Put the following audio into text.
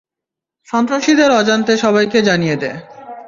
সন্ত্রাসীদের অজান্তে সবাইকে জানিয়ে দে।